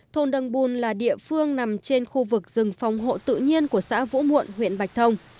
thôn đầng bùn là địa phương nằm trên khu vực rừng phòng hộ tự nhiên của xã vũ muộn huyện bạch thông